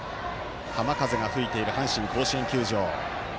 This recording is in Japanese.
浜風が吹いている阪神甲子園球場。